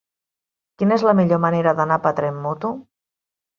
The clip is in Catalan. Quina és la millor manera d'anar a Petrer amb moto?